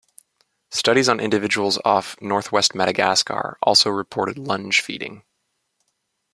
Studies on individuals off northwest Madagascar also reported lunge feeding.